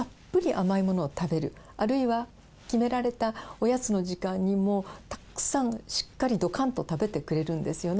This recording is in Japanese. あるいは決められたおやつの時間にもたくさんしっかりどかんと食べてくれるんですよね。